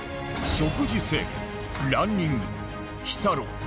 食事制限ランニング日サロ